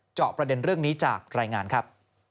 จอบประเด็นเรื่องนี้จากรายงานครับ